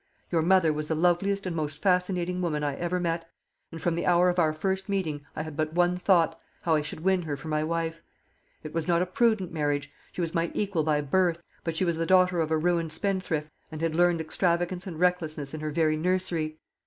Your mother was the loveliest and most fascinating woman I ever met, and from the hour of our first meeting I had but one thought how I should win her for my wife. It was not a prudent marriage. She was my equal by birth; but she was the daughter of a ruined spendthrift, and had learnt extravagance and recklessness in her very nursery.